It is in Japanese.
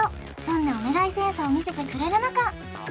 どんなお願いセンスを見せてくれるのか